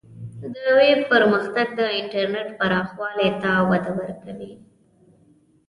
د ویب پرمختګ د انټرنیټ پراخوالی ته وده ورکوي.